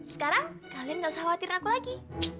sekarang kalian gak usah khawatir aku lagi